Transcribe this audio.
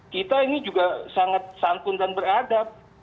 kita ini juga sangat santun dan beradab